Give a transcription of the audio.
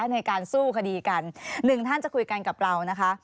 ในการสู้คดีกันหนึ่งท่านจะคุยกันกับเรานะคะ